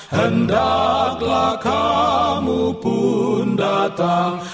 hendaklah kamu pun datang